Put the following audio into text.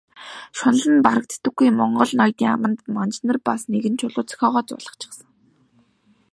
Шунал нь барагддаггүй монгол ноёдын аманд манж нар бас нэгэн чулуу зохиогоод зуулгачихсан.